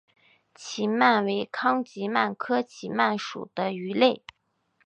奇鳗为康吉鳗科奇鳗属的鱼类。